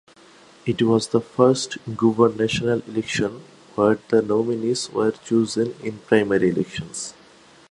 It was the first gubernatorial election where the nominees were chosen in primary elections.